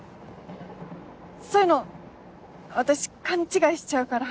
そういうの私勘違いしちゃうから。